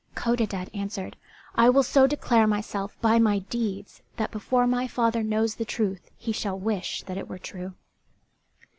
Codadad answered, "I will so declare myself by my deeds that before my father knows the truth he shall wish that it were true."